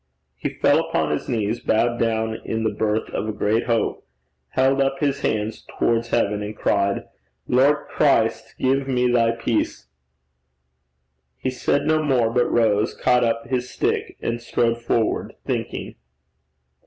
He fell upon his knees, bowed down in the birth of a great hope, held up his hands towards heaven, and cried, 'Lord Christ, give me thy peace.' He said no more, but rose, caught up his stick, and strode forward, thinking.